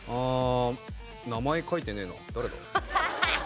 名前書いてねえな誰だ？